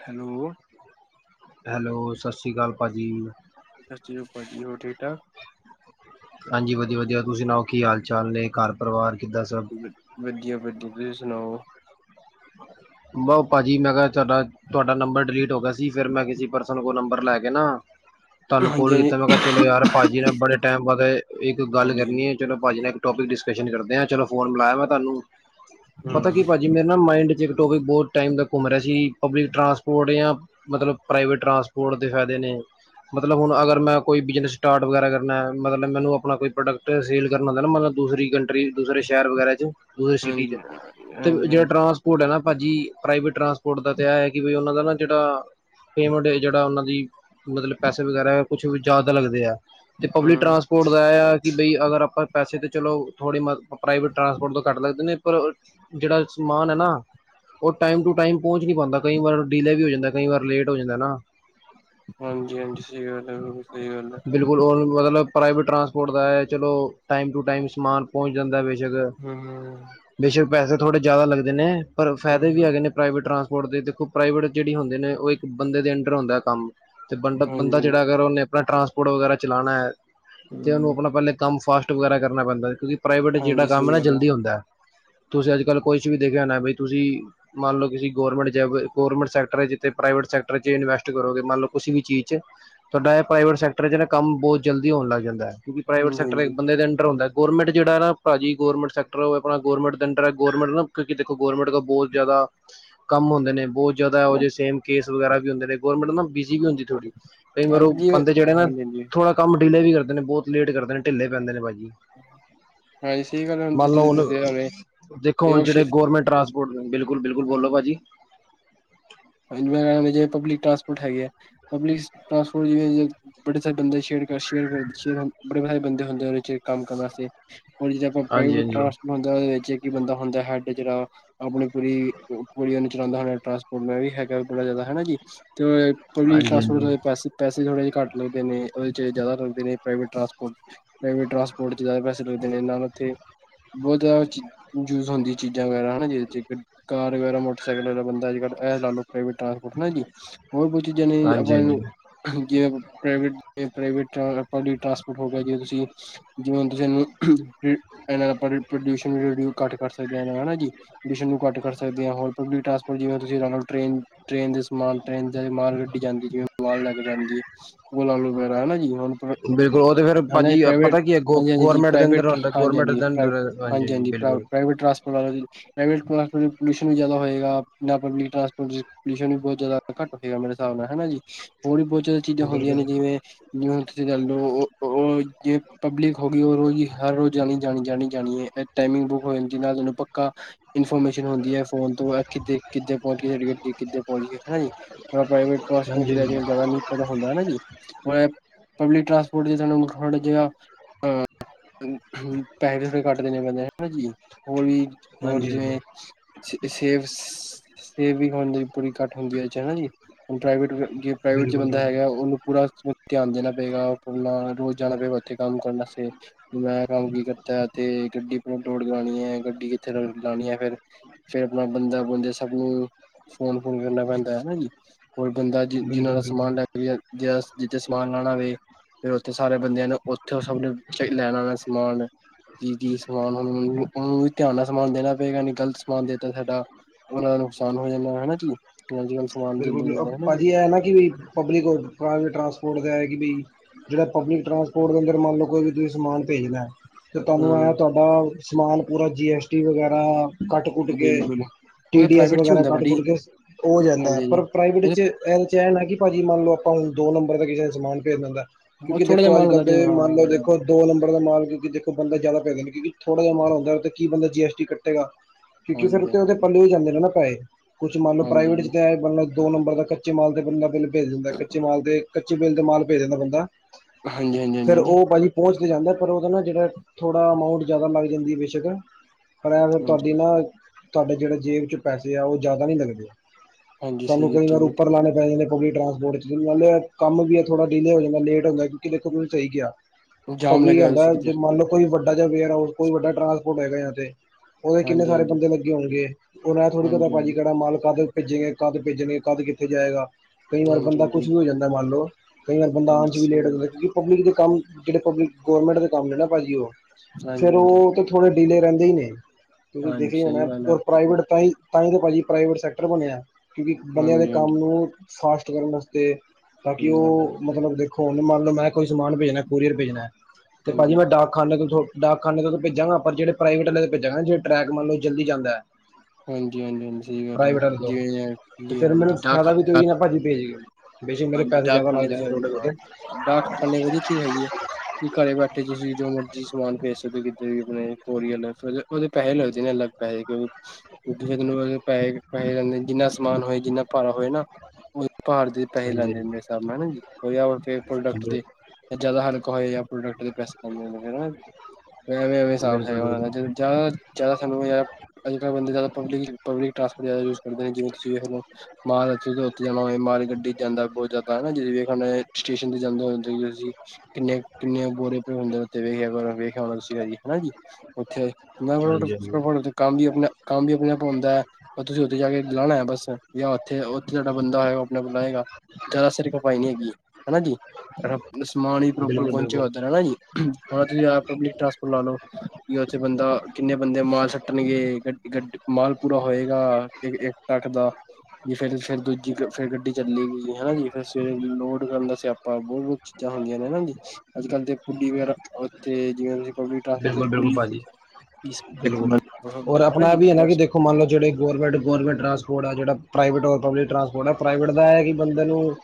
Hello hello ਸਾਸੀ ਕਾਲ ਪਾਜੀ। ਸਾਸੀ ਕਾਲ ਪਾਜੀ, ਹੋਰ ਠੀਕ ਠਾਕ ਹਾਂਜੀ ਵਦੀਆ, ਵਦੀਆ ਤੁ ਸੁਨਾਓ ਕੀ ਹਾਲ ਚਾਲ ਨੇ, ਘਾੱਰ ਪਰਵਾਰ ਕਿੱਦਾਂ ਸਬ ਵਦੀਆ, ਵਦੀਆ ਤੁਸੀ ਸੁਨਾਓ ਬਾਓ ਪਾਜੀ ਮੈਂ ਕੇਆ ਚੱਲ ਆੱਜ ਤੋਆਡਾ ਨੰਬਰ ਡਿਲੀਟ ਹੋਗੇਆ ਸੀ, ਫੇਰ ਮੈਂ ਕਿਸੀ ਪਰਸਨ ਕੋਲ ਨੰਬਰ ਲੈ ਕੇ ਨਾ ਤਾਨੂੰ ਕੋਲ ਹਾਂਜੀ ਕੀਤਾ ਮੈਂ ਕੇਆ ਚਲੋ ਯਾਰ ਪਾਜੀ ਨੇ ਬੜੇ ਟੈਮ ਬਾਦ ਇੱਕ ਗਾੱਲ ਹਾਂਜੀ ਹਾਂਜੀ ਕਰਨੀ ਏ। ਚਲੋ ਪਾਜੀ ਨਾ ਟੋਪਿਕ ਡਿਸਕਸ਼ਨ ਕਰਦੇ ਆ ਚਲੋ ਫੋਨ ਮਲਾਆ ਮੈਂ ਤਾਨੂੰ, ਪਤਾ ਕੀ ਪਾਜੀ ਮੈਂ ਨਾ ਮਾਇੰਡ ਚ ਇੱਕ ਟੋਪਿਕ ਬੋਤ ਟਾਈਮ ਦਾ ਕੁੰਮ ਰੇਆ ਸੀ। ਪਬਲਿਕ ਟਰਾਂਸਪੋਟ ਯਾਂ ਮਤਲਬ ਪ੍ਰਾਈਵੇਟ ਟਰਾਂਸਪੋਟ ਦੇ ਫੈਦੇ ਨੇ। ਮਤਲਬ ਹੁਨ ਅਗਰ ਮੈਂ ਕੋਈ ਬਿਜਨਸ ਸਟਾਟ ਵਗੈਰਾ ਕਰਨਾ ਐ, ਮਤਲਬ ਮੈਨੂੰ ਅਪਨਾ ਕੋਈ ਪ੍ਰੋਡਕਟ ਸੇਲ ਕਰਨਾ ਹੋਂਦਾ ਨਾ ਮਲਬ ਦੂਸਰੀ ਕੰਟਰੀ, ਦੂਸਰੇ ਸ਼ੈਰ ਵਗੈਰਾ ਚ ਦੂਸਰੇ ਸਿਟੀ ਚ, ਹਾਂਜੀ ਤੇ ਜੇੜਾ ਟਰਾਂਸਪੋਟ ਐ ਨਾ ਪਾਜੀ, ਪ੍ਰਾਈਵੇਟ ਟਰਾਂਸਪੋਟ ਦਾ ਤੇ ਐ, ਐ ਕਿ ਓਨਾਂ ਦਾ ਜੇੜਾ ਪੇਮੈਂਟ ਜੇੜਾ ਓਨਾਂ ਦੀ ਮਤਲਬ ਪੈਸੇ ਵਗੈਰਾ ਕੁਛ ਜੈਦਾ ਲੱਗਦੇ ਆ, ਤੇ ਪਬਲਿਕ ਹਮ ਟ੍ਰਾਂਸ ਪੋਟ ਦਾ ਐਆ ਕਿ ਬਈ ਅਗਰ ਆਪਾ ਪੈਸੇ ਤੇ ਚਲੋ ਥੋੜੀ ਮ ਪ੍ਰਾਈਵੇਟ ਟਰਾਂਸਪੋਟ ਤੋਂ ਕਾੱਟ ਲੱਗਦੇ ਨੇ, ਪਰ ਜੇੜਾ ਸਮਾਨ ਐ ਨਾ ਓ ਟਾਈਮ ਟੂ ਟਾਈਮ ਪੋਂਚ ਨੀ ਪਾਂਦਾ, ਕਈ ਵਾਰ ਡਿਲੇ ਵੀ ਹੋ ਜਾਂਦਾ, ਕਈ ਵਾਰ ਲੇਟ ਹੋ ਜਾਂਦਾ ਨਾ। ਹਾਂਜੀ, ਹਾਂਜੀ ਸਈ ਗਾੱਲ ਐ ਬਿਲਕੁਲ ਸਈ ਗਾੱਲ ਐ। [unintelligible] ਮਤਲਬ ਪ੍ਰਾਈਵੇਟ ਟਰਾਂਸਪੋਟ ਦਾ ਐ ਚਲੋ, ਟਾਈਮ ਟੂ ਟਾਈਮ ਸਮਾਨ ਪੋਂਚ ਜਾਂਦਾ ਬੇਸ਼ੱਕ ਹਮ ਬੇਸ਼ੱਕ ਪੈਸੇ ਥੋੜੇ ਜਾਦਾ ਲੱਗਦੇ ਨੇ, ਪਰ ਫੈਦੇ ਵੀ ਹਮ ਹੈਗੇ ਨੇ ਪ੍ਰਾਈਵੇਟ ਟਰਾਂਸਪੋਟ ਦੇ ਦੇਖੋ ਪ੍ਰਾਈਵੇਟ ਜੇੜੀਆ ਹੁੰਦੀਆਂ ਨੇ, ਓ ਏਕ ਬੰਦੇ ਦੇ ਅੰਡਰ ਹੋਂਦਾ ਕਾੰਮ ਤੇ ਬੰਦ ਬੰਦਾ ਹਾਂਜੀ ਜਿਹੜਾ ਅਗਰ ਉਹਨੇ ਆਪਣਾ ਟਰਾਂਸਪੋਰਟ ਵਗੈਰਾ ਚਲਾਉਣਾ ਹੈ ਤੇ ਉਹਨੂੰ ਹਮ ਆਪਣਾ ਪਹਿੱਲੇ ਕੰਮ ਫਾਸਟ ਵਗੈਰਾ ਕਰਨਾ ਪੈਂਦਾ ਕਿਉਂਕਿ ਪ੍ਰਾਈਵੇਟ ਜੇਹੜਾ ਹਾਂਜੀ ਕੰਮ ਸਹੀ ਨਾ ਗੱਲ ਹੈ ਜਲਦੀ ਹੋਂਦਾ। ਤੁਸੀਂ ਅੱਜ ਕੱਲ ਕੁਛ ਵੀ ਦੇਖਿਆ ਨਾ ਬਈ ਤੁਸੀਂ ਮੰਨ ਲਓ ਤੁਸੀਂ ਗਵਰਮੈਂਟ ਜੇਬ ਗਵਰਮੈਂਟ ਸੈਕਟਰ ਤੇ ਪ੍ਰਾਈਵੇਟ ਸੈਕਟਰਾ ਚ ਇਨਵੈਸਟ ਕਰੋਗੇ ਮੰਨ ਲਓ ਕਿਸੀ ਵੀ ਚੀਜ਼ ਚ ਤੁਹਾਡਾ ਇਹ ਪ੍ਰਾਈਵੇਟ ਸੈਕਟਰ ਹੈ ਜ ਕੰਮ ਬਹੁਤ ਜਲਦੀ ਹੋਣ ਲੱਗ ਜਾਂਦਾ ਕਿਉਂਕਿ ਪ੍ਰਾਈਵੇਟ ਹਾਂਜੀ ਸੈਕਟਰ ਹਾਂਜੀ ਇੱਕ ਬੰਦੇ ਦੇ ਅੰਡਰ ਹੁੰਦਾ ਏ ਗੌਰਮੈਂਟ ਜਿਹੜਾ ਨਾ ਭਾਜੀ ਗੌਰਮੈਂਟ ਸੈਟਰ ਹੋ ਆਪਣਾ ਗੌਰਮੈਂਟ ਅੰ ਹੈ ਗੌਰਮੈਂਟ ਨਾ ਪਤਾ ਕੀ ਦੇਖੋ ਗੌਰਮੈਂਟ ਕੋ ਬਹੁਤ ਜਿਆਦਾ ਕੰਮ ਹੁੰਦੇ ਨੇ ਬਹੁਤ ਜਿਆਦਾ ਇਹੋ ਜਿਹੇ ਸੇਮ ਕੇਸ ਵਗੈਰਾ ਵੀ ਹੁੰਦੇ ਗੌਰਮੈਂਟ ਨਾ ਬਿਜ਼ੀ ਵੀ ਹੁੰ ਥੋੜੀ ਕਈ ਵਾਰ ਓ ਹਾਂਜੀ ਬੰਦੇ ਜਿੜੇ ਹਾਂਜੀ ਨਾ ਹਾਂਜੀ ਥੋੜਾ ਕੰਮ ਡਿਲੇ ਵੀ ਕਰਦੇ ਨੇ ਬਹੁਤ ਲੇਟ ਕਰਦੇ ਨੇ ਢਿੱਲੇ ਪੈਂਦੇ ਨੇ ਭਾਈ ਜੀ। ਹਾਂਜੀ ਸਹੀ ਗੱਲ ਹੈ ਮੰਨ ਲਓ ਤੁਸੀਂ ਹੁਣ ਤੁਸੀਂ ਦੇਖੋ ਹੁਣ ਜਿਹੜੇ ਹੁਣੇ ਗੌਰਮੈਂਟ ਬਿਲਕੁ ਬਿਲਕੁਲ ਬੋਲੋ ਭਾਜੀ। ਪਬਲਿਕ ਟਰਾਂਸਪੋਰਟ ਹੈਗੀ ਹੈ ਪਬਲਿਕ ਟਾਂਸਪੋਰਟ ਜ ਬੜੇ ਸਾਰੇ ਬੰਦੇ ਸ਼ੇਅਰ ਕਰ ਸ਼ਅਰਅ ਬੜੇ ਸਾਰੇ ਬੰਦੇ ਹੁੰਦੇ ਉਹਦੇ ਚ ਕੰਮ ਕਰਨ ਆਸਤੇ। ਹੋਰ ਜਿਦ ਆਪਾਂ ਹਾਂਜੀ ਹਾਂਜੀ ਪ੍ਰਵੇਟ ਹੁੰਦਾ ਉਹਦੇ ਵਿੱਚ ਇੱਕ ਬੰਦਾ ਹੁੰਦਾ ਹੈੱਡ ਜਿਹੜਾ ਆਪਣੀ ਪੂਰੀ ਕੁੜੀਆ ਨੂੰ ਚਲਾਉਂਦਾ ਹੋਣਾ ਟਰਾਂਸਪੋਰਟ ਨਾਲ ਵੀ। ਹੈਗਾ ਬੜਾ ਜ਼ਿਆਦਾ ਹਨਾ ਜੀ ਤੇ ਪਬਲਿਕ ਹਾਂਜੀ ਹਾਂਜੀ ਟਰਾਂਸਪੋਰਟ ਪੈਸੇ। ਪੈਸੇ ਥੋੜੇ ਜਿਹੇ ਘੱਟ ਲਗਦੇ ਨੇ ੳਦੇ ਚ ਜ਼ਿਆਦਾ ਲੱਗ ਨੇ ਪਾਈ੍ਰਵੇਟ ਟਰਾਂਸਪੋਰਟ ਚ। ਪ੍ਰਾਈਵੇਟ ਟਰਾਂਸਪੋਰਟ ਜ਼ਿਆਦਾ ਪੈਸੇ ਲੱਗਦੇ ਨੇ ਇਹਨਾਂ ਨੂੰ ਉੱਥੇ ਬਹੁਤ ਜ਼ਿਆਦਾ ਯੂਜ ਹੁੰਦੀ ਚੀਜ਼ਾਂ ਵਗੈਰਾ ਹਨ ਜਿਹਦੇ ਚ ਕਾਰ ਵਗੈਰਾ ਮੋਟਰਸਾਈਕਲ ਬੰਦਾ ਅੱਜ ਕੱਲ ਇਹ ਲਾ ਲ ਲੋ। ਟਰਾਂਸਪੋਰਟ ਜੀ ਹੋਰ ਕੁਤ ਚੀਜ਼ਾਂ ਨੇ ਹਾਂਜੀ ਆਪਾਂ। ਹਾਂਜੀ ਹਾਂਜੀ ਹਾਂਜੀ ਪ੍ਰਾਈਵੇਟ ਟ੍ਰਾਂਸਪੋਰਟ ਹੋ ਗਿਆ ਜੇ ਤੁਸੀਂ। ਜਿ ਹੁਣ ਤੁਸੀਂ ਇਹਨੂੰ ਇਹਨਾਂ ਦਾ ਪ੍ਰਦਿਊ ਘੱਟ ਕਰ ਸਕਦੇ ਇਹ ਹਨਾ ਜੀ। ਪੋਲਿਊਸ਼ਨ ਨੂੰ ਘਟ ਕਰ ਸਕਦੇ ਹ ਹੋਰ ਪਬਲਿਕ ਟਰਾਂਸਪੋਰਟ ਜਿਵੇਂ ਤੁਸੀਂ ਲਾਲੋ ਟ੍ਰੇਨ ਟ੍ਰੇਨ ਦੇ ਸਮਾਨ ਟ੍ਰੇਨ ਦੇ ਮਾਲ ਗੱਡੀ ਜਾਂਦੀ ਜਿਵੇਂ ਮਾਲ ਲੈ ਕੇ ਜਾਂਦੀ ਏ ਉਹਨਾ ਫੇਰ ਹੈਨਾ ਜੀ ਹੁਣ ਬਿਲਕੁਲ ਉਹ ਤੇ ਫਿਰ ਹਾਂ ਭਾਜੀ ਪ੍ਰਾਈਵੇਟ ਪਤਾ ਕੀ ਹੈ ਗੋ ਹਾਂਜੀ-ਹਾਂਜੀ-ਹਾਂਜੀ ਗੌਰਮੈਂਟ ਦੇ ਅੰਦਰ ਪ੍ਰਾਈਵੇਟ ਹੁੰਦਾ ਗੌਰਮੈਂਟ ਦੇ ਅੰਦਰ ਹਾਂਜੀ ਹਾਂਜੀ ਹਾਂਜੀ-ਹਾਂਜੀ-ਹਾਂਜੀ-ਹਾਂਜੀ ਪਾ੍ਈ ਬਿਲਕੁਲ ਪ੍ਰਾਈਵੇਟ ਟਰਾਂਸਪੋਰਟ ਪੋਲਿਊਸ਼ਨ ਵੀ ਜ਼ਿਆਦਾ ਹੋਏਗਾ ਨਾ ਪਬਲਿਕ ਟਰਾਂਸਪੋਰਟ ਪੋਲਿਊਸ਼ਨ ਵੀ ਬਹੁਤ ਜ਼ਿਆਦਾ ਘੱਟ ਹੋਏਗਾ ਮੇਰੇ ਹਿਸਾਬ ਨਾਲ ਹੈਨਾ ਜੀ ਹੋਰ ਵੀ ਬਹੁਤ ਜ਼ਿਆਦਾ ਚੀਜ਼ਾਂ ਹੋਦੀਆਂ ਨੇ ਬਿਲਕੁਲ ਜਿਵੇਂ ਜਊ ਤੁਸੀਂ ਚ ਲਓ ਉਹ ਜੇ ਪਬਲਿਕ ਹੋ ਗਈ ਉਹ ਰੋਜ਼ ਹਰ ਰੋਜ਼ ਜਾਣੀ-ਜਾਣੀ-ਜਾਣੀ-ਜਾਣੀ ਹੈ ਟਾਈਮਿੰਗ ਬੁਕ ਹੋਜਾ ਜਿਨਾੁ ਦੇ ਨੁ ਪੱਕਾ ਇਨਫੋਰਮੇਸ਼ਨ ਹੁੰਦੀ ਹੈ ਫੋਨ ਤੋਂ ਕਿੱਖੇ-ਕਿੱਖੇ ਪਹੁੰਚੀ ਹੈ ਸਾਡੀ ਗੱਡੀ ਕਿੱਦੇ ਪਹੁਚ ਗੇ ਹੈਨਾ ਜੀ ਅਪਨਾ ਪਾ੍ਰਇਵੇਟ ਪਾਸਪੋਰਟ ਹਾਂਜੀ ਹਾਂਜੀ ਅੱਜ ਹਾਂਜੀ ਜ਼ਿਆ ਨ ਪਤਾ ਹੁੰਦਾ ਹੈਨਾ ਜੀ ਪਬਲਿਕ ਟ੍ਰਾਂਸਪੋਰਟ ਦੀ ਤੁਹਾਨੂੰ ਜਾ ਹਾਂ ਪੈਸੇ ਵੀ ਥੋੜੇ ਘੱਟ ਦੇਣੇ ਪੈਂਦੇ ਹੈਨਾ ਜੀ ਹੋਰ ਵੀ ਹੋਰ ਹਾਂਜੀ ਜਿਵੇਂ ਸੇਵ ਸੇਵ ਵੀ ਹਾਂਜੀ ਘੱਟ ਹੁੰਦੀ ਹੈੱ ਹਨਾ ਜੀ ਹੁਣ ਪ੍ਰਵੇਟ ਜ ਪ੍ਰਾਈਵੇਟ ਜ ਬਿਲਕੁਲ ਬਿਲਕੁਲ ਬੰਦਾ ਹੈਗਾ ਉਹਨੂੰ ਪੂਰਾ ਧਿਆਨ ਦੇਣਾ ਪਏਗਾ ਆਪਨਾ ਰੋਜ਼ ਜਾਣਾ ਪਏਗਾ ਉੱਥੇ ਕੰਮ ਕਰਨ ਵਾਸਤੇ ਮੈਂ ਕੰਮ ਕੀ ਕਰਤਾ ਤੇ ਗੱਡੀ ਪਰ ਦੌੜਉਣੀ ਹੈ ਗੱਡੀ ਕਿੱਥੇ ਲਉਣੀ ਹੈ ਫੇਿਰ ਚਾਏ ਆਪਣਾ ਬੰਦਾ ਬਦੇ ਸਭ ਨੂੰ ਫੋਨ-ਫੂਨ ਕਰਨਾ ਪੈਂਦਾ ਹੈਨਾ ਜੀ ਹੋਰ ਬੰਦਾ ਜਿ ਜਿਹਨਾਂ ਬਿਲਕੁਲ ਦਾ ਬਿਲਕੁਲ ਸਮਾਨ ਲੈ ਜ ਜੇ ਜਿੱਥੇ ਸਮਾਨ ਲਾਹਣਾ ਵੇ ਫ ਉੱਥੇ ਸਾਰੇ ਬੰਦਿਆਂ ਨੇ ਉੱਥੇ ਉਹ ਸਭ ਲੈਣਾ ਵ ਸਮਾਨ ਕੀ ਕੀ ਸਮਾਨ ਹੁਣ ਉਹਨੂੰ ਧਿਆਨ ਨਾਲ ਸਮਾਨ ਦੇਣਾ ਪਏਗਾ ਨੀ ਗ਼ਲਤ ਸਮਾਨ ਦੇਤਾ ਸਾਡਾ ਉਹਨਾ ਦਾ ਨੁਕਸਾਨ ਹੋ ਜਾਂਦਾ ਹੈਨਾ ਕੀ ਅੱਜ ਕੱਲ ਸਮਾਨ ਦਿੰਦੇ ਬਿਲਕੁਲ ਜਿਹੜਾ ਹਨਾ ਜੀ ਭਾਜੀ ਇਹ ਨਾ ਕਿ ਬ ਪਬਲਿਕ ਪ੍ਰਾਈਵੇਟ ਟਰਾਂਸਪੋਰਟ ਦਾ ਹੈ ਕਿ ਬਈ ਜਿੜਾ ਪਬਲਿਕ ਟਰਾਂਸਪੋਰਟ ਦੇ ਅੰਦਰਨ ਮਨ ਲੋ ਕੋਵੀ ਤੁਸੀ ਸਮਾਨ ਭੇਜਨਾ ਅਤੇ ਤੁਹਾਨੂੰ ਐ ਹੂੰ ਤੁਹਾਡਾ ਸਮਾਨ ਪੂਰਾ ਜੀ ਐੱਸ ਟੀ ਵਗੈਰਾ ਕੱਟ ਕੁੱਟ ਕੇ ਬਿਲਕੁਲ ਟੀ ਉਹ ਡੀ ਐੱਸ ਪ੍ਰਾਈਵੇਟ ਚ ਵਗੈਰਾ ਹੁੰਦਾ ਕੱਟ ਭਾਜੀ ਕੁੱਟ ਕੇ ਹੋ ਜਾਂਦਾ ਹਾਂਜੀ ਹਾਂਜੀ ਪਰ ਪ੍ਰਾਈਵੇਟ ਚ ਉਹ ਇਹ ਚੈਹ ਹੈ ਕਿ ਭਾਜੀ ਮੰਨ ਲਓ ਆਪਾਂ ਹੁਣ ਦੋ ਨੰਬਰ ਦਾ ਕਿਸੇ ਨੂੰ ਸਮਾਨ ਭੇਜ ਦਿੰਦਾ। ਉਹ ਕਿਉਂਕਿ ਥੋੜਾ ਜਿਹਾ ਦੇਖੋ ਅੱਜ ਮਾਲ ਹੁੰਦਾ ਕੱਲ ਜਿਵੇਂ ਦੇ ਮੰਨ ਹਾਂ ਲਓ। ਦੇੋ ਨੰਬਰ ਦਾ ਮਾਲ ਕਿਉਂਕੀ ਦੇਖੋ ਬੰਦਾ ਜ਼ਿਆਦਾ ਪੈਦਾ ਕਿਉਂਕ ਥੋੜਾ ਜਹਾ ਮ ਹੁੰਦਾ ਕੀ ਬਦਾ ਜੀ ਐਸ ਟੀ ਕਟੇਗਾ। ਕਿਉਂਕਿ ਫੇਰ ਹਾਂਜੀ ਉਹਦੇ ਪੱਲੇ ਹੀ [unintelligible] ਕੁਛ ਮੰਨ ਲੋ ਹਾਂਜੀ ਹਾਂਜੀ ਪ੍ਰਾਈਵੇਟ ਹਾਂਜੀ ਚ। ਦੋ ਨੰਬਰ ਦਾ ਕੱਚੇ ਮਾਲ ਦੇ ਬੰਦਾ ਬਿੱਲ ਭੇਜ ਦਿੰਦਾਏ। ਕੱਚੇ ਮਾਲ ਦੇ, ਕੱਚੇ ਬਿੱਲ ਦੇ ਮਾਲ ਭੇਜ ਦਿੰਦਾ ਬੰਦਾ। ਹਾਂਜੀ ਫੇਰ ਹਾਂਜੀ ਓ ਭਾਜੀ। ਪੌਂਚ ਤੇ ਜਾਂਦਾ ਪਰ ਓਦਾ ਨਾ ਜਿਹੜਾ ਥੋੜਾ ਮਾਊਂਟ ਜਾਦਾ ਮਿਲ ਜਾਂਦੀ ਐ ਬੇਸ਼ੱਕ। ਪਰ ਫਿਰ ਹਾਂਜੀ ਹਾਂਜੀ ਤੁਹਾਡੀ ਨਾ ਤੁਹਾਡੇ ਜਿਹੜੇ ਜੇਬ 'ਚ ਪੈਸੇ ਆ ਉਹ ਜ਼ਿਆਦਾ ਨਹੀਂ ਲੱਗਦੇ ਆ। ਹਾਂਜੀ ਤਾਨੂੰ ਠੀਕ ਹੈ ਕਈ ਵਾਰ ਠੀਕ ਹੈ ਉਪਰ ਲਾਣੇ ਪੈ ਜਾਂਦੇ ਨੇ। [unintelligible] ਕਾਮ ਵੀ ਏ ਥੋੜਾ, ਡਿਲੇ ਹੋ ਜਾਂਦਾ, ਲੇਟ ਹੋ ਜਾਂਦਾ ਕਿਉਕਿ ਦੇਖੋ ਤੁਸੀਂ ਸਹੀ ਕਿਆ। ਜਾਮ ਪੰਮੀ ਲੱਗਿਆ ਹੋਇਆ ਸੀ ਕੇਂਦਾ ਕਿਤੇ ਜੇ ਮੰਨ ਲੋ। ਕੋਈ ਵੱਡਾ ਜਾਂ ਵੇਅਰ ਆ, ਕੋਈ ਵੱਡਾ ਟਰਾਂਸਪੋਰਟ ਹੈਗਾ ਯਾ ਤੇ, ਉਹਦੇ ਕਿੰਨੇ ਹਾਂਜੀ ਸਾਰੇ ਹਾਂਜੀ ਬੰਦੇ ਲੱਗੇ ਹੋਨਗੇ। ਉਹਨਾ ਥੋੜੀ ਪਤਾ ਹਾਂਜੀ ਹਾਂਜੀ ਭਾਜੀ ਹਾਂਜੀ ਕਿਹੜਾ ਮਾਲ ਕਦ ਭੇਜੇਗੇ, ਕਦ ਭੇਜਣਗੇ, ਕਦ ਕਿੱਥੇ ਜਾਏਗਾ। ਕਈ ਵਾਰ ਬੰਦਾ ਕੁੱਛ ਹਾਂਜੀ ਵੀ ਹੋ ਜਾਂਦਾ ਮੰਨ ਲੋ। ਕਈ ਵਾਰ ਬੰਦਾ ਆਨ ਹਾਂਜੀ ਚ ਵੀ ਸਹੀ ਲੇਟ ਹੋ ਗੱਲ ਜਾਂਦਾ ਹੈ ਕਿ ਪਬਲਿਕ ਦੇ ਕੰਮ ਜਿਹੜੇ ਪਬਲਿਕ ਗੌਰਮੈਂਟ ਦੇ ਕੰਮ ਨੇ ਨਾ ਭਾਜੀ ਉਹ, ਹਾਂਜੀ ਫੇਰ ਹਾਂਜੀ ਉਹ ਤੇ ਥੋੜੇ ਡੀਲੇ ਰੇਂਦੇ ਈ ਨੇ, ਤੁਸੀਂ ਹਾਂਜੀ ਦੇਖਿਆ ਹੋਨਾ ਪ੍ਰਾਈਵੇਟ ਤਾਂ ਈ ਤਾ ਹੀ ਤੇ ਭਾਅ ਜੀ ਪ੍ਰਾਈਵੇਟ ਸੈਕਟਰ ਬਣਿਆ। ਕਿਉਂਕਿ ਬੰਦਿਆਂ ਦੇ ਹਾਂਜੀ ਕੰਮ ਨੂੰ ਫਾਸਟ ਕਰਨ ਵਾਸਤੇ ਤਾਂ ਕਿ ਸਹੀ ਗੱਲ ਹੈ ਹਾਂਜੀ ਹਾਂਜੀ ਸਹੀ ਗੱਲ ਹੈ ਉਹ ਮਤਲਬ ਦੇਖੋ ਮੰਨ ਲਓ ਮੈਂ ਕੋਈ ਸਮਾਨ ਭੇਜਨਾ ਕੋਰੀਅਰ ਭੇਜਨਾਏ ਤੇ ਭਾਜੀ ਹਾਂਜੀ ਮੈ ਡਾਕਖਾਨ ਤੋ ਜੋ ਡਾਕਖਾਨੇ ਤੋਂ ਤਾਂ ਭੇਜਾਂਗਾ ਪਰ ਜਿਹੜੇ ਪ੍ਰਾਈਵੇਟੇ ਲ ਭੇਜਾਂਗਾ। ਜਿਹੜ ਟਰੈਕ ਮੰਨ ਲੋ ਜਲਦੀ ਜਾਂਦਾ ਐ। ਹਾਂਜੀ-ਹਾਂਜੀ ਹਨ ਸਹੀ ਗਲ ਐ ਤੋਂ ਜਿਵੇਂ ਤੇ ਜੀ ਫਰ ਮੈਨੂੰ ਹਾਂਜੀ ਡਾਕ [unintelligible] ਵੀ ਤੁਸੀ ਨਾ ਭਾਜੀ ਭੇਜੀਓ ਹਾਂਜੀ ਡਾਕਖਾਨੇਂ ਤੁਸੀ [unintelligible] ਡਾਕਖਾਨੇ ਵਧੀਆ ਚੀਜ਼ ਹੈਗੀ ਐ। ਵੀ ਘਰੇ ਬੈਠੇ ਤੁਸੀਂ ਜੋ ਮਰਜੀ ਸਮਾਨ ਭੇਜ ਸਕਦੇ ਕਿਤੇ ਵੀ ਆਪਣੇ ਕੋਰੀਅਰ ਫੇਰ ਉਹਦੇ ਪੈਹੇ ਲਗਦੇ ਨੇ ਅਲੱਗ ਪੈਹੇ ਕਿਉ [unintelligible] ਜਿੰਨਾ ਸਮਾਨ ਹੋਏ ਜਿੰਨਾ ਭਾਰਾ ਹੋਏ ਨਾ ਉਹ ਭਾਰ ਦੇ ਪੈਹੇ ਹਾਂਜੀ ਲੈਂਦੇ ਮੇਰੇ ਹਿਸਾਬ ਨਾਲ ਨਾ ਜੀ, [unintelligible] ਪ੍ਰੋਡਕਟ ਹਾਂਜੀ ਦੇ ਜ਼ਿਆਦਾ ਹਲਕਾ ਹੋਏ ਜਾਂ ਪ੍ਰੋਡਕਟ ਦੇ ਪੈਸੇ। [unintelligible] ਐਵੇਂ ਐਵੇਂ ਸਾਬ ਬਿਲਕੁਲ ਹੈਗਾ ਉਹਨਾਂ ਬਿਲਕੁਲ ਦਾ ਜ [unintelligible] ਜਾਦਾ ਯੂਜ ਕਰਦੇ ਨੇ ਜਿਵੇਂ ਤੁਸੀਂ ਵੇਖ ਲੋ, [unintelligible] ਹੋਵੇ ਮਾਲ ਗੱਡੀ। ਜਾਂਦਾ [unintelligible] ਸਟੇਸ਼ਨ ਤੇ ਜਾਂਦੇ ਹੁੰਦੇ ਤੁਸੀਂ। ਕਿੰਨੇ ਕਿੰਨਿਆਂ ਬੋਰੇ ਭਉਂਦੇ ਵੇਖਿਆ ਪਰਾ ਵੇਖਿਆ ਹੋਣਾ ਤੁਸੀਂ ਹੇਨਾ ਜੀ ਉੱਥੇ। ਹਾਂਜੀ [unintelligible] ਹਾਂਜੀ ਕੰਮ ਈ ਆਪਨਾ ਕੰਮ ਵੀ ਆਪਨਾ ਆਪ ਹੁੰਦਾ ਐ। ਪਰ ਤੁਸੀਂ ਉੱਥੇ ਜਾ ਕੇ ਲਾਨਾ ਐ ਬਸ, ਯਾ ਉੱਥੇ ਉੱਥੇ ਜੇੜਾ ਬੰਦਾ ਆਏਗਾ ਉਹ ਆਪਨੇ ਆਪ ਲਏਗਾ। ਜਾਦਾ ਸਿਰ ਖਪਾਈ ਨੀ ਹੈਗੀ ਹੇਨਾ ਜੀ, ਸਮਾਨ ਈ ਪ੍ਰੋਪਰ ਬਿਲਕੁਲ ਪਹੁੰਚੇਗਾ ਬਿਲਕੁਲ ਉੱਧਰ ਹੇਨਾ ਜੀ। [unintelligible] ਤੁਸੀਂ ਆਪ ਪਬਲਿਕ ਟਰਾਂਸਪੋਰਟ ਲਾ ਲੋ। ਕਿ ਉੱਥੇ ਬੰਦਾ ਕਿੰਨੇ ਬੰਦੇ ਮਾਲ ਸੱਟਣਗੇ ਗਡ ਗੱਡੀ ਮਾਲ ਪੂਰਾ ਹੋਏਗਾ ਏਹ ਏ। ਟੱਕਦਾ ਵੀ ਫੇਰ ਫੇਰ ਦੂਜੀ ਫੇਰ ਗੱਡੀ ਚੱਲੀ ਗੀ। ਹੇਨਾ ਜੀ ਫੇਰ ਸਵੇ ਲੋਡ ਕਰਨ ਦਾ ਸਿਆਪਾ ਬੋਤ-ਬੋਤ ਚੀਜ਼ਾਂ ਹੁੰਦੀਆਂ ਨੇ ਹੇਨਾ ਜੀ। ਅੱਜ ਕੱਲ ਤੇ ਫੂਡੀ ਵਗੈਰਾ ਉੱਥੇ ਜਿਵੇਂ ਤੁਸੀਂ ਪਬ ਬਿਲਕੁਲ ਬਿਲਕੁਲ ਭਾਜੀ [unintelligible] ਹੋ ਮੰਨ ਲੋ ਜਿਹੜੇ ਗੌਰਮੈਂਟ-ਗੌਰਮੈਂਟ ਟਰਾਂਸਪੋਰਟ ਆ, ਜਿਹੜਾ ਪ੍ਰਾਈਵੇਟ ਔਰ ਪਬਲਿਕ ਟਰਾਂਪੋਰਟ ਐ ਪ੍ਰਵੇਟ ਦਾ ਹੈ ਕਿ ਬੰਦੇ ਨੂੰ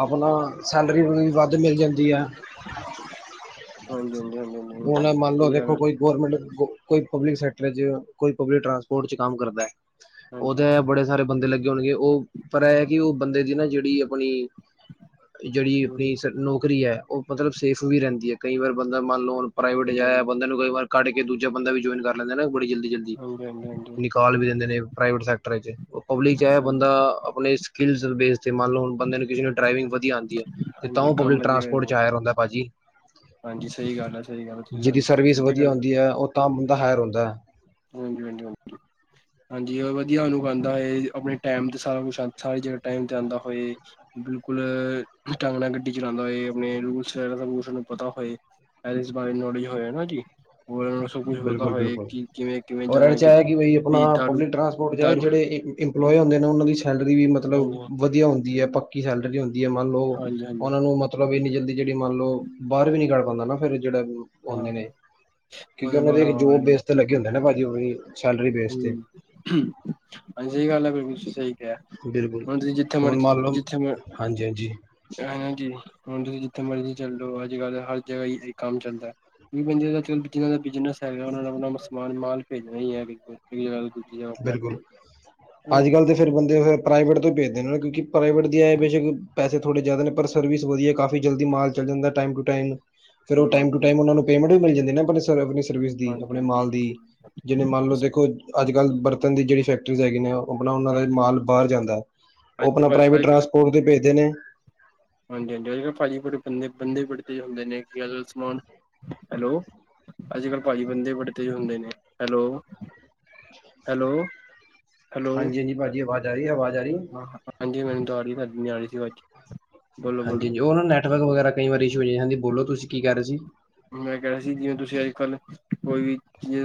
ਆਪਨਾ ਸੈਲਰੀ ਵੀ ਵੱਧ ਮਿਲ ਜਾਂਦੀ ਐ। ਹਾਂਜੀ-ਹਾਂਜੀ ਹਨ ਹ। ਹੁਨ ਮੰਨ ਲੋ ਦੇਖੋ ਕੋਈ ਗੌਰਮੈਂਟ ਕੋਈ ਪਬਲਿਕ ਸੈਕਟਰ ਚ ਕੋਈ ਪਬਲਿਕ ਟਰਾਂਸਪੋਰਟ ਚ ਕੰਮ ਕਰਦਾ ਐ। ਹਾਂਜੀ ਉਹਦਾ ਏਹ ਬੜੇ ਸਾਰੇ ਬੰਦੇ ਲੱਗੇ ਹੋਣਗੇ ਉਹ ਪਰ ਇਹ ਐ ਕਿ ਉਹ ਬੰਦੇ ਦੀ ਨਾ ਜਿਹੜੀ ਆਪਣੀ ਜਿਹੜੀ ਹਮ ਆਪਣੀ ਸ ਨੌਕਰੀ ਐ ਉਹ ਮਤਲਬ ਸੇਫ ਵੀ ਰਹਿੰਦੀ ਐ ਕਈ ਵਾਰ ਬੰਦਾ ਮਨ ਲੋ। ਪ੍ਰਾਈਵੇਟ ਹਾਂਜੀ ਹਾਂਜੀ ਜਾ ਹਾਂਜੀ ਬੰਦੇ ਨੂੰ ਕਈ ਵਾਰ ਕੱਢ ਕੇ ਦੂਜਾ ਬੰਦਾ ਵੀ ਜੁਆਇਨ ਕਰ ਲੈਂਦਾ ਨਾ ਬੜੀ ਜਲਦੀ-ਜਲਦੀ ਹਾਂਜੀ ਹਾਂਜੀ ਹਾਂਜੀ ਨਿਕ ਕਾਲ ਵੀ ਦੇਂਦੇ ਨੇ, ਪ੍ਰਾਈਟ ਸੇ ਕਟਰ ਚ, ਓ ਪਬਲਿਕ ਚ ਏਹ ਹਾਂਜੀ ਬੰਦਾ ਅਪਨੇ ਸਕਿੱਲਸ ਬੈਸ ਤੇ ਮਨ ਲੋ ਹੁਨ ਬੰਦੇ ਨੂ ਕਿਸੀ ਨੂ ਡ੍ਰਾਈਵਿੰਗ ਵਧਿਆ ਆਂਦੀ ਹੈ। ਤੇ ਤਾਂ ਹਾਂਜੀ ਓਹ ਕੰਮ ਪਬਲਿਕ ਵਧੀਆ ਟਰਾਂਸਪੋਰਟ ਚ ਹਾਯਰ ਹੁੰਦਾਏ ਭਾਜੀ। ਹਾਂਜੀ ਸਹੀ ਗੱਲ ਐ। ਜਿਹਦੀ ਸਰਵਿਸ ਵਧੀਆ ਹੁੰਦੀ ਹੈ ਉਹ ਤਾਂ ਬੰਦਾ ਹਾਇਰ ਹੁੰਦਾ। ਹਾਂਜੀ-ਹਾਂਜੀ-ਹਾਂਜੀ। ਹਾਂਜੀ ਵਧੀਆ ਅਨੁਭ ਆਦਾ ਹੋਏ ਆਪਣੇ ਟੈਮ ਤੇ ਸਾਰਾ ਕੁੱਛ ਸਾਰੀ ਜਗਹਿ ਟੈਮ ਤੇ ਆਂਦਾ ਹੋਏ। ਬਿਲਕੁਲ ਢੰਗ ਨਾਲ ਗੱਡੀ ਚਲਾਂਦਾ ਹੋਏ ਆਪਣੇ ਰੂਲਸ ਵੈਗਾਰਾ ਉਹ ਨੂੰ ਪਤਾ ਹੋਏ। ਪੈਰਿਸ ਬਾਰੇ ਨੌਲੇਜ ਹੋਏਆ ਜੀ ਉਹਰ ਨੂੰ ਸਭ ਕੁੱਛ ਪਤਾ ਹੋਏ ਕਿ ਕਿਵੇਂ ਕਿਵੇਂ ਉਰਾ ਜਾਣਾ ਵਿਚਾਰ ਕਿੱਧਰ ਕਿ ਬਈ ਵੀ ਆਪਣਾ ਦਾਰੂ ਪਬਲਿਕ ਟ੍ਰਾਂਸਪੋਰਟ ਚ ਦਾਰੂ ਜਿਹੜੇ ਇੰਪਲੋਏ ਹੁੰਦੇ ਨੇ ਉਹਨਾਂ ਦੀ ਸੈਲਰੀ ਵੀ ਮਤਲਬ ਹਾਂਜੀ ਵਧੀਆ ਹੁੰਦੀ ਹੈ ਪੱਕੀ ਸੈਲਰੀ ਹੁੰਦੀ। ਮੰਨ ਲਓ ਹਾਂਜੀ ਹਾਂਜੀ ਉਹਨਾ ਨੂੰ ਮਤਲਬ ਇੰਨੀ ਜਲਦੀ ਜਿਹੜੀ ਮੰਨ ਲਓ ਬਾਹਰ ਵੀ ਨੀ ਕੱਢ ਪਾਂਦਾ ਨਾ ਫ਼ੇਰ ਜਿਹੜਾ ਹੁੰਦੇ ਨੇ ਹਾਂ। ਕਿਉਂਕਿ ਉਹਨੂੰ ਉਹਨਾਂ ਬਾਹਰ ਦੇ ਹਵਾ ਜੋਬ ਬੇਸ ਤੇ ਲਗੇ ਹੁੰਦੇ ਨਾ ਪਾਜੀ ਉਹ ਸੈਲਰੀ ਬੇਸ ਤੇ ਹੂੰ। ਹਾਂਜੀ ਸਹੀ ਗੱਲ ਹੈ ਤੁਸੀਂ ਸਹੀ ਕਿਹਾ ਬਿਲਕੁਲ ਹੁਣ ਤੁਸੀਂ ਜਿੱਥੇ ਹੁਣ ਮਰਜ਼ੀ ਮੰਨ ਲਓ ਜਿੱਥੇ ਮ ਹਾਂਜੀ ਹਾਂਜੀ ਹਨ ਨਾ ਜੀ ਹੁਣ ਤੁਸੀਂ ਜਿੱਥੇ ਮਰਜ਼ੀ ਚੱਲੋ ਅੱਜ-ਕੱਲ੍ਹ ਹਰ ਜਗ੍ਹਾ ਇਹ ਹੀ ਕੰਮ ਚੱਲਦਾ। ਕਈ ਬੰਦੇ ਦਾ ਜਿਹਨਾਂ ਦਾ ਬਿਜਨਸ ਹੈਗਾ ਉਹ ਨੂੰ ਆਪਣਾ ਸਮਾਨ ਮਾਲ ਪੇਜਣਾ ਹੀ ਹੈਗਾ। ਬਿਲਕੁਲ। ਅੱਜ-ਕੱਲ੍ਹ ਫਿਰ ਬੰਦੇ ਪ੍ਰਾਈਵੇਟ ਤੋਂ ਹੀ ਭੇਜਦੇ ਨਾ ਕਿਉਂਕਿ ਪ੍ਰਾਈਵੇਟ ਦੇ ਆ ਬੇਸ਼ਕ ਪੈਸੇ ਥੋੜੇ ਜ਼ਿਆਦਾ ਨੇ ਪਰ ਸਰਵਿਸ ਵਧੀਆ ਕਾਫੀ ਜਲਦੀ ਮਾਲ ਚੱਲ ਜਾਂਦਾ ਟਾਈਮ ਟੂ ਟਾਈਮ। ਫਿਰ ਉਹ ਹੂੰ, ਟਾਇਮ ਨੂੰ ਹਾਂਜੀ ਹਮ ਟਾਇਮ ਉਨ੍ਹਾਂ ਨੂੰ ਪੇਮੈਂਟ ਵੀ ਮਿਲ ਜਾਂਦੀ ਨਾ ਆਪਣੇ ਸਰਵਿਸ ਦੀ ਹਾਂਜੀ ਆਪਣੇ ਹਾਂਜੀ ਮਾਲ ਦੀ। ਹਾਂਜੀ ਜਿਹਨੇ ਮੰਨ ਲਓ ਦੇਖੋ ਅੱਜ-ਕੱਲ੍ਹ ਬਰਤਨ ਦੀ ਜਿਹੜੀ ਫੈਕਟਰੀਜ਼ ਹੈਗੀ ਨੇ ਉਹ ਆਪਣਾ ਉਹਨਾਂ ਦਾ ਹਾਂਜੀ ਮਾਲ ਬਾਹਰ ਜਾਂਦਾ ਉਹ ਆਪਣਾ ਪ੍ਰਾਈਵੇਟ ਟਰਾਂਸਪੋਰਟ ਤੇ ਭੇਜਦੇ ਨੇ। ਹਾਂਜੀ-ਹਾਂਜੀ ਅੱਜ-ਕੱਲ੍ਹ ਪਾਜੀ ਬੰਦੇ ਬੜੇ ਤੇਜ਼ ਫੜ ਹੁੰਦੇ ਨੇ ਕਿ ਅਜ-ਕਲ੍ਹ ਸਮ ਹੈਲੋ ਅੱਜ-ਕੱਲ੍ਹ ਪਾਜੀ ਬੰਦੇ ਬੜੇ ਤੇਜ਼ ਹੁੰਦੇ ਨੇ ਹੈਲੋ-ਹੈਲੋ ਹਾਂਜੀ-ਹਾਂਜੀ ਪਾਜੀ ਆਵਾਜ਼ ਆ ਰਹੀ ਹੈ ਆਵਾਜ਼ ਆ ਰਹੀ ਹੈ। ਹਾਂਜੀ ਮੈਨੂੰ ਤਾ ਆਰੀ ਤਾਨੂੰ ਨੀ ਆਰੀ ਸੀ ਵਾਜ। ਹਾਂਜੀ-ਹਾਂਜੀ ਉਹ ਨਾ ਨੈਟਵਰਕ ਵਗੈਰਾ ਕਈ ਵਾਰੀ ਇਸ਼ਉ ਹੋ ਜਾਂ ਹਾਂਜੀ ਬੋਲੋ ਤੁਸੀਂ ਕੀ ਕਰ ਰਹੇ ਸੀ? ਮੈਂ ਕਿਹ ਰੀਹਾ ਸੀ ਜਿਵੇਂ ਤੁਸੀਂ ਅੱਜ-ਕੱਲ੍ਹ ਕੋਈ ਵੀ ਚੀਜ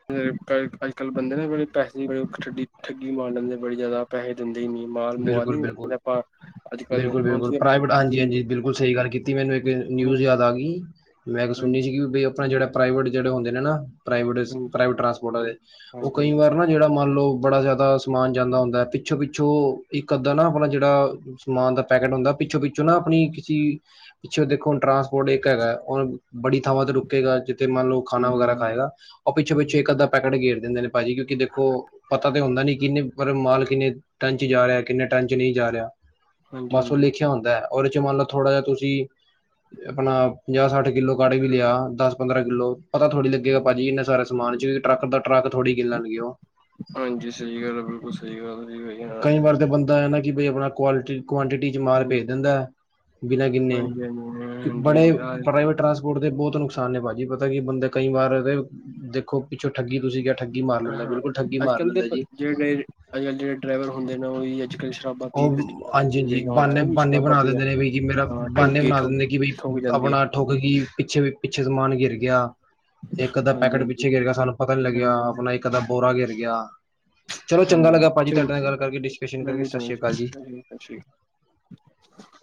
ਅੱਜ- ਕੱਲ੍ਹ ਬੰਦੇ ਨੇ ਬੜੇ ਪੈੇ ਦੀ ਬੜੇ ਠੱਡੀ ਠੱਗੀ ਮਾਰ ਲੈਂਦੇ ਬੜੀ ਜ਼ਿਆਦਾ ਪੈੇਹੇ ਦਿੰਦੇ ਹੀ ਨਹੀਂ। ਬਿਲਕੁੱਲ-ਬਿਲਕੁੱਲ। ਕੱਲ ਹੁਣ ਬਿਲਕੁੱਲ-ਬਿਲਕੁੱਲ ਜਿਵੇਂ ਪ੍ਰਾਇਵੇਟ ਹਾਂਜੀ ਹਾਂਜੀ-ਹਾਂਜੀ ਬਿਲਕੁਲ ਸਹੀ ਗੱਲ ਕੀਤੀ ਮੈਨੂੰ ਇੱਕ ਹਾਂਜੀ ਨਿਊਜ਼ ਯਾਦ ਆ ਗਈ। ਮੈਂ ਇਕ ਹਾਂਜੀ ਸੁਣੀ ਸੀ ਬਈ ਆਪਾਂ ਪ੍ਰਾਈਵੇਟ ਜੜੇ ਹੁੰਦੇ ਨੇ ਨਾ। ਹਾਂਜੀ ਪ੍ਰਾਈਵੇਟ-ਪ੍ਰਾਇਵੇਟ ਟ੍ਰਾਂਸਪੋਰਟ ਆਲੇ ਉਹ ਕਈ ਹਾਂਜੀ ਵਾਰ ਨਾ ਜਿਹੜਾ ਮੰਨ ਲਓ ਬੜਾ ਜਿਆਦਾ ਸਮਾਨ ਜਾਂਦਾ ਹੁੰਦਾ ਹੈ ਪਿੱਛੋਂ-ਪਿੱਛੋਂ ਇੱਕ ਅੱਧਾ ਨਾ ਆਪਣਾ ਜਿਹੜਾ ਸਮਾਨ ਦਾ ਪੈਕੇਟ ਹੁੰਦਾ ਪਿੱਛੋਂ ਪਿੱਛੋਂ ਨਾ ਆਪਣੀ ਕਿਸੀ ਪਿੱਛੇ ਦੇਖੋ ਹੁਣ ਟ੍ਰਾਂਸਪੋਰਟ ਇੱਕ ਹੈਗਾ ਉਹ ਬੜੀ ਥਾਵਾਂ ਤੇ ਰੁਕੇਗਾ ਜਿ ਮੰਨ ਲਓ ਖਾਣਾ ਵਗੈਰਾ ਖਾਏਗਾ ਉਹ ਪਿੱਛੇ-ਪਿੱਛੇ ਇੱਕ ਅੱਧਾ ਪੈਕੇਟ ਘੇਰ ਦਿੰਦੇ ਨੇ ਪਾਜੀ ਕਿਉਂਕ ਦੇਖੋ ਪਤਾ ਤੇ ਹੁੰਦਾ ਨੀ ਕਿੰਨੇ ਪਰ ਮਾਲ ਕਿੰਨੇ ਟਨ ਜਾ ਰਿਹਾ ਕਿੰਨੇ ਟਨ ਚ ਨਹੀਂ ਜਾ ਰਿਹਾ ਬਸ ਉਹ ਹਾਂਜੀ ਲਿਖਿਆ ਹੁੰਦਾ ਹੈ ਉਹਦੇ ਚ ਮੰਨ ਲਓ ਥੋੜਾ ਜਹਾ ਤੁਸੀਂ ਆਪਣਾ ਪੰਜਾਹ ਸੱਠ ਕਿੱਲੋ ਕਾਡ ਵੀ ਲਿਆ ਦਸ ਪੰਦਰਾਂ ਕਿੱਲੋ ਪਤਾ ਥੜੀ ਲੱਗੇਗਾ ਪਾਜੀ ਇਨੇ ਸਾਰੇ ਸਮਾਨ ਚੋ ਵੀ ਟਰੱਕ ਦਾ ਟਰੱਕ ਥੋੜ੍ਹੀ ਗਿਣ ਲੈਣਗੇ ਉਹ ਹਾਂਜੀ ਸਹੀ ਗੱਲ ਹੈ ਬਿਲਕੁਲ ਸਹੀ ਗੱਲ। ਸਹੀ ਹਾਂਜੀ ਕਈ ਹਾਂਜੀ ਵਾਰ ਤਾਂ ਬੰਦਾ ਇਹ ਹੈ ਨਾ ਕਿ ਬ ਆਪਣਾ ਕੁਆਲਟੀ ਕੁਆਂਟਿਟੀ ਚ ਮਾਲ ਹਾਂਜੀ ਪੇਜ ਦਿੰਦਾ। ਬਿਨਾਂ ਗਿਣੇ ਬੜੇ ਹਾਂਜੀ ਹਾਂਜੀ ਹਾਂ ਪ੍ਰਾਈਵੇਟ ਟ੍ਰਾਂਸਪੋਰਟ ਦੇ ਬਹੁਤ ਨੁਕਸਾਨ ਨੇ ਪਾਜੀ ਪਤਾ ਕੀ ਬੰਦੇ ਕਈ ਵਾਰ ਦੇਖੋ ਪਿੱਛੋਂ ਠੱਗੀ ਤੁਸੀਂ ਕ ਠੱਗੀ ਮਾਰ ਲੈਂਦਾ ਬਿਲਕੁੱਲ ਠੱਗੀ ਅੱਜ ਮਾਰ ਕੱਲ੍ਹ ਦੇ ਲੈਂਦਾ ਜੀ। [unintelligible] ਡਰਾਈਵਰ ਹੁੰਦੇ ਨੇ ਉ ਅੱਜ-ਕੱਲ੍ਹ ਸ਼ਰਾਬਾ ਪੀ ਕੇ ਉਹ ਗੱਡੀ ਚਲਾਂਦੇ ਹਾਂਜੀ ਕੋ ਹਾਂਜੀ ਦੇਖਿਆ ਬਾਨੇ ਹੋਣਾਾ ਜੀ ਬਾਨੇ ਸ਼ਰਾਬਾ ਬਣਾ ਪੀ ਕੇ ਦਿੰਦੇ ਨੇ ਬਈ ਜੀ ਮੇਰਾ ਹਾਂ। ਬਾਨੇ ਠੋਗੀ ਬਣਾ ਦਿੰਦੇ ਠੋਗੀ ਕਿ ਬਈ ਠੋਕ ਜਾਂਦੀ ਹੈ ਆਪਣਾ ਠੋਕ ਕੀ ਪਿੱਛੇ ਵੀ ਪਿੱਛੇ ਸਮਾਨ ਗਿਰ ਹਾਂਜੀ ਗਿਆ ਇੱਕ-ਅੱਧਾ ਹਾਂਜੀ ਪੈਕਟ ਹਾਂਜੀ ਪਿੱਛੇ ਗਿਰ ਗਿਆ ਸਾਨੂੰ ਪਤਾ ਨੀ ਲੱਗਿਆ ਹਾਂਜੀ ਆਪਣਾ। ਕਦਾ ਬੋਰਾ ਗਿਰ ਗਿਆ ਚਲੋ ਚੰਗਾ ਹਾਂਜੀ ਲੱਗਾ ਪਾਜੀ ਚਲੋ ਤੁਹਾਡੇ ਨਾਲ ਗੱਲ ਕਰਕੇ ਡਿਸਕਸ਼ਨ ਕਰਕੇ ਮੈਨੂੰ ਸਤਿ ਚੰਗਾ ਸ੍ਰੀਆ ਕਾਲ ਜੀ। ਸਤਿ ਸ੍ਰੀ ਕਾਲ। [unintelligible]